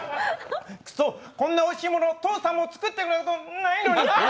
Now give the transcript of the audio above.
くそ、こんなおいしいもの父さんもつく作ってくれたことないのに！